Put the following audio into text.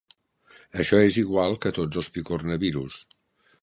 Això és igual que a tots els picornavirus.